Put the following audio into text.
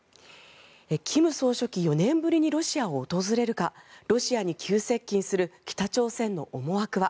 金総書記４年ぶりにロシアを訪れるかロシアに急接近する北朝鮮の思惑は？